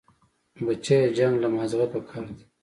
بچيه جنگ له مازغه پکار دي.